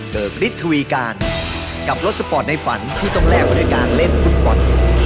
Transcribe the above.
ฤทธวีการกับรถสปอร์ตในฝันที่ต้องแลกไว้ด้วยการเล่นฟุตบอล